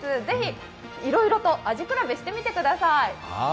ぜひいろいろと味比べしてみてください。